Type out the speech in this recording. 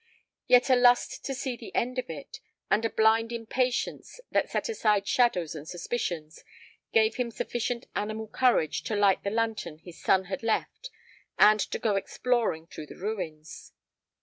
Yet a lust to see the end of it, and a blind impatience that set aside shadows and suspicions, gave him sufficient animal courage to light the lantern his son had left and to go exploring through the ruins.